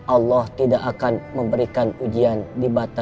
allah tidak akan memberikan kebenaran untuk kita